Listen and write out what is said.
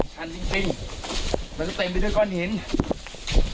ชันจริงจริงมันจะเต็มไปด้วยก้อนนี้นะครับ